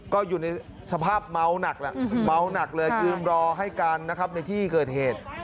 ก็อยู่ในสภาพเมาหนักแหละเมาหนักเลยยืนรอให้การนะครับในที่เกิดเหตุ